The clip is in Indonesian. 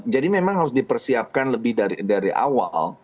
jadi memang harus dipersiapkan lebih dari awal